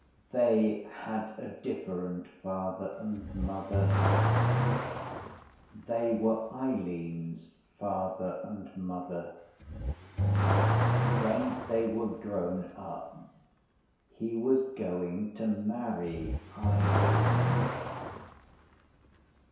They had a different father and mother. They were Eileen’s father and mother. When they were grown up he was going to marry Eileen.